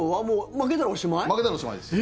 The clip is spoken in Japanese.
負けたらおしまいです。